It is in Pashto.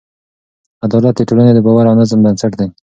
عدالت د ټولنې د باور او نظم بنسټ دی.